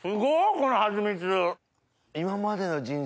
このハチミツ。